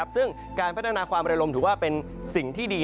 ซึ่งการพัฒนาความระลมถือว่าเป็นสิ่งที่ดี